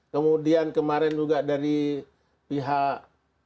kemudian kemarin juga dari pihak